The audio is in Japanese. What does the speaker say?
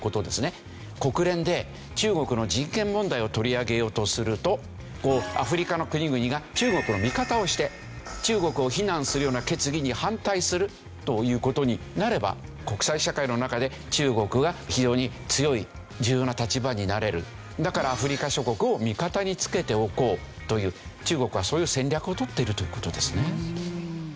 国連で中国の人権問題を取り上げようとするとアフリカの国々が中国の味方をして中国を非難するような決議に反対するという事になれば国際社会の中で中国が非常に強い重要な立場になれるだからアフリカ諸国を味方につけておこうという中国はそういう戦略をとっているという事ですね。